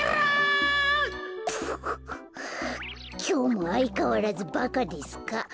「きょうもあいかわらずバカですか？